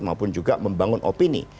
maupun juga membangun opini